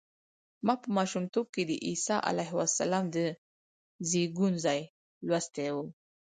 ما په ماشومتوب کې د عیسی علیه السلام د زېږون ځای لوستی و.